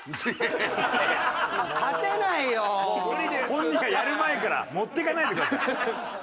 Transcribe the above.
本人がやる前から持っていかないでください。